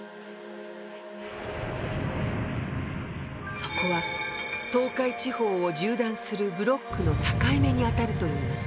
そこは東海地方を縦断するブロックの境目にあたるといいます。